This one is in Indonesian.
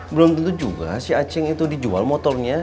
belum tentu juga si acing itu dijual motornya